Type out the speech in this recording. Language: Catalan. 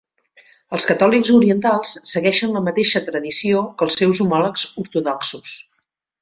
Els catòlics orientals segueixen la mateixa tradició que els seus homòlegs ortodoxos.